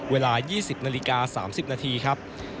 เวลา๒๐นาฬิกา๓๐นาทีครับ